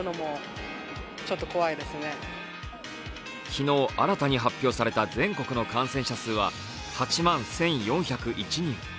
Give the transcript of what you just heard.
昨日、新たに発表された全国の感染者数は８万１４０１人。